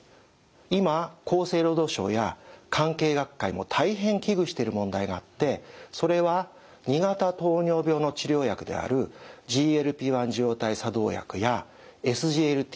今厚生労働省や関係学会も大変危惧している問題があってそれは２型糖尿病の治療薬であるＧＬＰ−１受容体作動薬やＳＧＬＴ